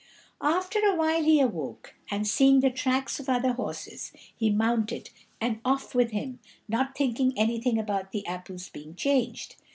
After a while he awoke, and, seeing the tracks of other horses, he mounted and off with him, not thinking anything about the apples being changed.